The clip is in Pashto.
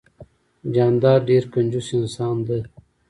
جانداد ډیررر کنجوس انسان ده